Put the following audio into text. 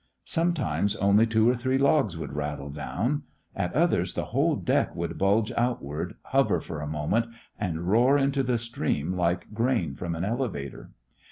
Sometimes only two or three logs would rattle down; at others the whole deck would bulge outward, hover for a moment, and roar into the stream like grain from an elevator.